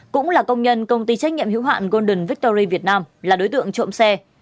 cũng là công nhân công ty trách nhiệm hữu hạn golden victory việt nam là đối tượng trộm xe